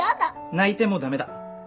泣いても駄目だ。